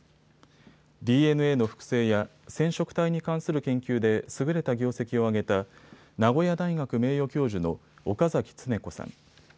ＤＮＡの複製や染色体に関する研究で優れた業績を上げた名古屋大学名誉教授の岡崎恒子さん。